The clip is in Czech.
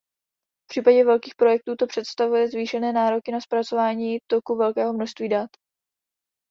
V případě velkých projektů to představuje zvýšené nároky na zpracování toku velkého množství dat.